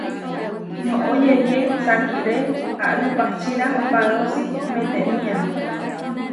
Noʼó yeyé sakiré aʼrupahčira paarósi metémia.